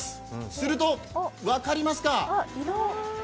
すると、分かりますか？